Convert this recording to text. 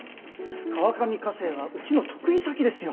川上化成はうちの得意先ですよ。